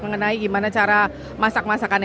mengenai gimana cara masak masakan